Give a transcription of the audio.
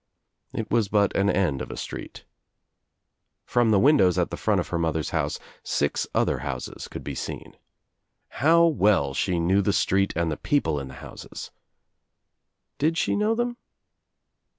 It was but an end of a street. From the windows at the front of her mother's house six other houses could be seen. How well she knew the street and the people In the houses t Did she know them